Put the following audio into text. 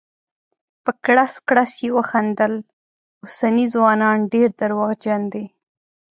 په کړس کړس یې وخندل: اوسني ځوانان ډير درواغجن دي.